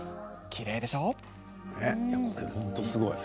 きれいでしょう？